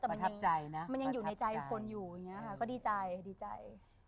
มันเป็น๑๐กว่าปีแล้วแต่มันยังอยู่ในใจคนอยู่อย่างนี้ค่ะก็ดีใจ